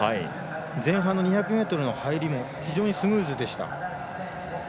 前半の２００ｍの入りも非常にスムーズでした。